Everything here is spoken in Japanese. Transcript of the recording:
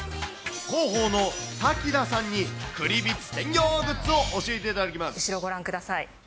広報の滝田さんに、クリビツテンギョーなグッズを教えていただき後ろ、ご覧ください。